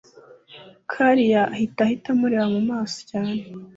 kellia ahita ahita amureba mumaso cyane